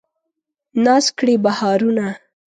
ناز کړي بهارونه